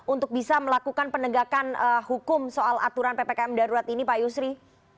untuk bisa melakukan penegakan hukum soal aturan ppkm darurat ini pak yusri